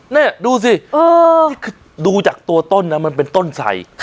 นี่ดูสิดูจากตัวต้นนะมันเป็นต้นใส่